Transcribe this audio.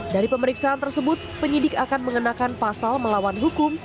dari pemeriksaan tersebut penyidik akan mengenakan pasal melawan hukum